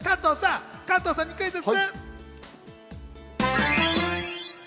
加藤さんにクイズッス。